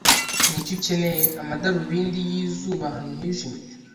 Niki ukeneye amadarubindi y'izuba ahantu hijimye?